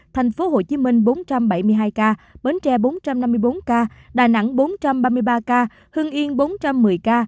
thành phố hồ chí minh bốn trăm bảy mươi hai ca bến tre bốn trăm năm mươi bốn ca đà nẵng bốn trăm ba mươi ba ca hương yên bốn trăm một mươi ca